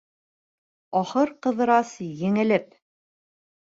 Ахыр Ҡыҙырас, еңелеп: